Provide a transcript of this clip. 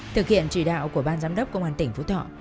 thực hiện chỉ đạo của ban giám đốc công an tỉnh phú thọ